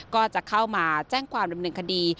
ก็จะเข้ามาแจ้งความดำเนินคดี